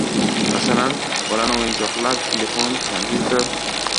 masalan, bolani o‘yinchoqlar, telefon, kompyuter...